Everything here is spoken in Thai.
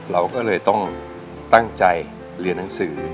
เราก็เลยต้องตั้งใจเรียนหนังสือ